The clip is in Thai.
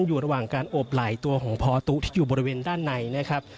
อยู่ระหว่างการโอบไหลตัวของพอตุ๊ที่อยู่บริเวณด้านในนะครับ